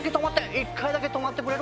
１回だけ止まってくれる？